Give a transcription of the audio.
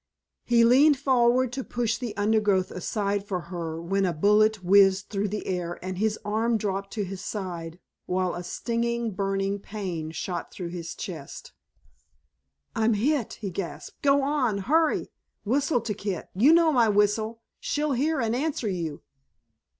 He leaned forward to push the undergrowth aside for her when a bullet whizzed through the air and his arm dropped to his side, while a stinging, burning pain shot through his chest. "I'm hit!" he gasped. "Go on, hurry—whistle to Kit—you know my whistle—she'll hear and answer you!"